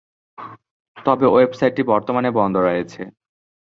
তবে, ওয়েবসাইটটি বর্তমানে বন্ধ রয়েছে।